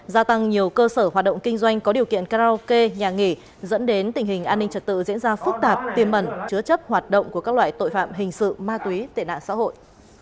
gia tăng nhiều cơ sở hoạt động kinh doanh có điều kiện karaoke nhà nghỉ dẫn đến tình hình an ninh trật tự diễn ra phức tạp tiềm mẩn chứa chấp hoạt động của các loại tội phạm hình sự ma túy tệ nạn xã hội